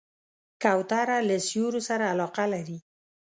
کوتره له سیوریو سره علاقه لري.